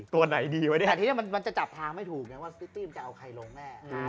ตัวไหนดีวะเนี่ยทีนี้มันจะจับทางไม่ถูกไงว่าสติ้มจะเอาใครลงแน่